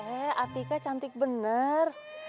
eh atika cantik bener